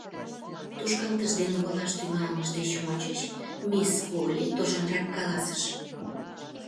Тошкалтыш ден волаш тӱҥалмышт деч ончыч мисс Полли торжанрак каласыш: